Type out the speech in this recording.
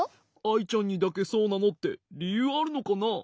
アイちゃんにだけそうなのってりゆうあるのかな？